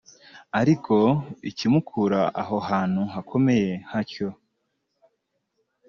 Ariko ikimukura aho hantu hakomeye hatyo